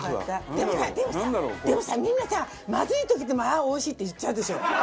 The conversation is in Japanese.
でもさでもさでもさみんなさまずい時でもああおいしいって言っちゃうでしょ？